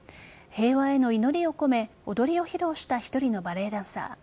平和への祈りを込め踊りを披露した１人のバレエダンサー。